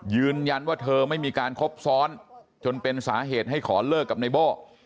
ยืนยันว่าเธอไม่มีการคบซ้อนจนเป็นสาเหตุให้ขอเลิกกับนายโบ้